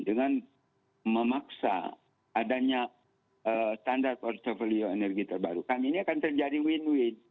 dengan memaksa adanya standar portfolio energi terbarukan ini akan terjadi win win